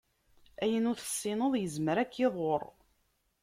Ayen ur tessineḍ yezmer ad k-iḍurr.